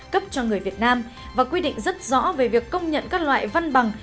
cấp cho người việt nam và quy định rất rõ về việc công nhận các loại văn bằng